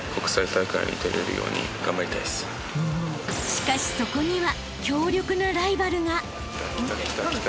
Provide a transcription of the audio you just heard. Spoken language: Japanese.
［しかしそこには］